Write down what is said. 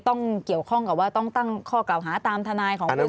ต้องเกี่ยวข้องกับว่าต้องตั้งข้อกล่าวหาตามทนายของปืน